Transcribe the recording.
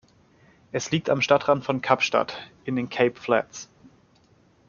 Es liegt am Stadtrand von Kapstadt in den Cape Flats.